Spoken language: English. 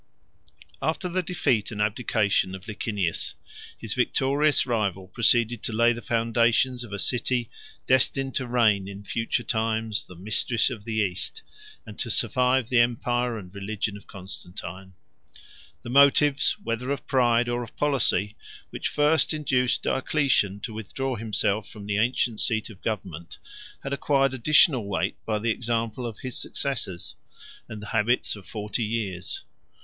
After the defeat and abdication of Licinius, his victorious rival proceeded to lay the foundations of a city destined to reign in future times, the mistress of the East, and to survive the empire and religion of Constantine. The motives, whether of pride or of policy, which first induced Diocletian to withdraw himself from the ancient seat of government, had acquired additional weight by the example of his successors, and the habits of forty years.